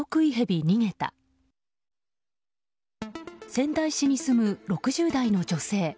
仙台市に住む６０代の女性。